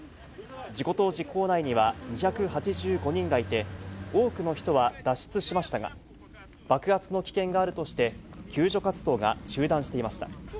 事故当時、坑内には２８５人がいて、多くの人は脱出しましたが、爆発の危険があるとして、救助活動が中断していました。